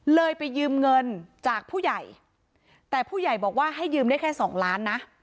เลยไปยืมเงินจากผู้ใหญ่แต่ผู้ใหญ่บอกว่าให้ยืมได้แค่สองล้านนะ